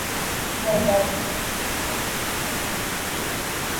এছাড়াও, চারজন টেস্ট অধিনায়কের মর্যাদাপ্রাপ্ত হয়েছিলেন।